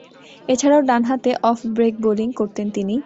এছাড়াও ডানহাতে off break bowling করতেন তিনি।